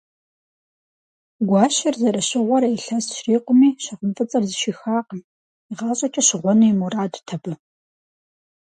Гуащэр зэрыщыгъуэрэ илъэс щрикъуми, щыгъын фӏыцӏэр зыщихакъым: игъащӏэкӏэ щыгъуэну и мурадт абы.